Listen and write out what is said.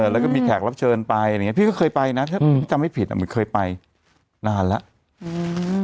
แล้วก็มีแขกรับเชิญไปพี่ก็เคยไปนะถ้าพี่จำไม่ผิดเหมือนเคยไปนานแล้ว